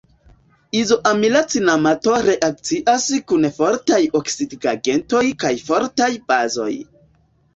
Izoamila cinamato reakcias kun fortaj oksidigagentoj kaj fortaj bazoj.